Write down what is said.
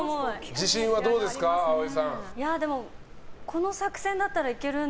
自信はどうですか、葵さん。